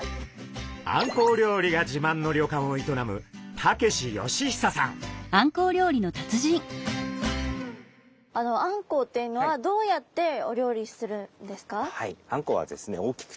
あんこう料理がじまんの旅館を営むあんこうっていうのはどうやってお料理するんですか？